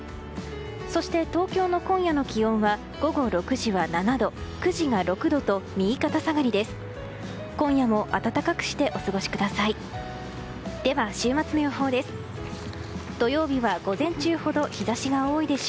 そして東京の今夜の気温は午後６時は７度、９時が６度と右肩下がりです。